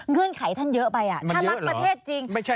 เงื่อนไขท่านเยอะไปท่านรักประเทศจริงมันเยอะเหรอ